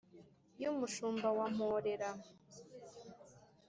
Y’umushumba wa Mporera